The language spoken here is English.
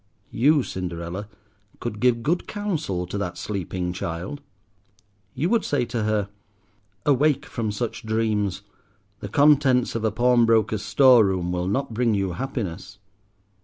You, Cinderella, could give good counsel to that sleeping child. You would say to her—"Awake from such dreams. The contents of a pawnbroker's store room will not bring you happiness.